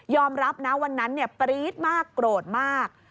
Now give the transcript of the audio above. รับนะวันนั้นปรี๊ดมากโกรธมาก